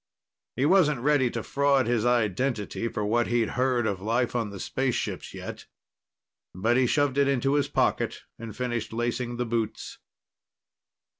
He wasn't ready to fraud his identity for what he'd heard of life on the spaceships, yet. But he shoved it into his pocket and finished lacing the boots.